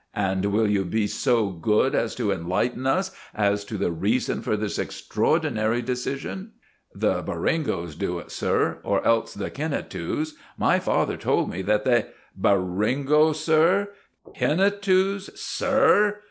"And will you be so good as to enlighten us as to the reason for this extraordinary decision?" "The Boringos do it, sir, or else the Kinnatoos. My father told me that they——" "Boringos, sir! Kinnatoos, sir!